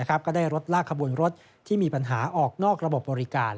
ก็ได้รถลากขบวนรถที่มีปัญหาออกนอกระบบบริการ